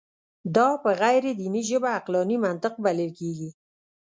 دا په غیر دیني ژبه عقلاني منطق بلل کېږي.